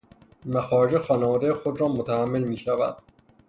مخارج خانوادۀ خودرا متحمل میشود